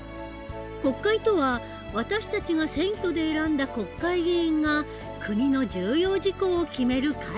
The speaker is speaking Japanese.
国会とは私たちが選挙で選んだ国会議員が国の重要事項を決める会議の事。